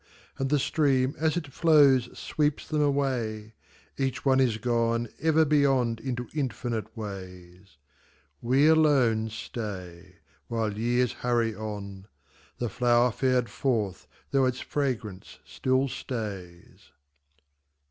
And the stream as it flows Sweeps them away, Each one is gone Ever beyond into infinite ways. We alone stay While years hurry on, The flower fared forth, though its fragrance still stays.